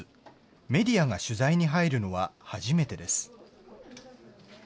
メディアが取材に入るのは、初めてです。